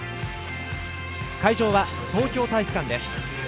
会場は東京体育館です。